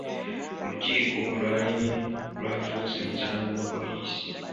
Olukiiko olwalemye lwafuuse musango gwa poliisi.